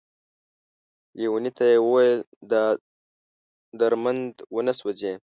ليوني ته يې ويل دا درمند ونه سوځې ،